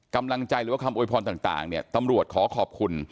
กำลังใจหรือว่าคำโวยพรต่างเนี่ยตำรวจขอขอบคุณ